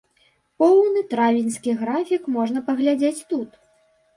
Поўны травеньскі графік можна паглядзець тут.